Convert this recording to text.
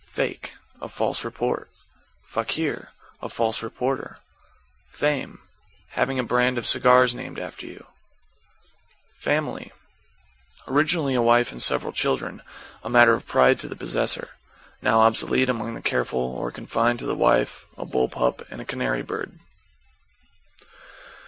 =FAKE= A false report. =FAKIR= A false reporter. =FAME= Having a brand of cigars named after you. =FAMILY= Originally a wife and several children, a matter of pride to the possessor. Now obsolete among the careful, or confined to the wife, a bull pup and a canary bird.